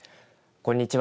こんにちは。